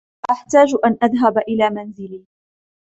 أحتاج أن أذهب إلى منزلي.